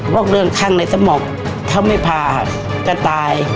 บอกเรื่องข้างในสมบเธอไม่พาก็ตาย